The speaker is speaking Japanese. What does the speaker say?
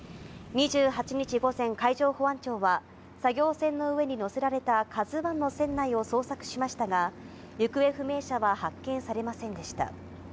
２８日午前、海上保安庁は、作業船の上に載せられたＫＡＺＵＩの船内を捜索しましたが、行方不明者は発見されませんでした。